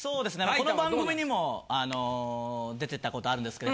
この番組にも出てた事あるんですけど。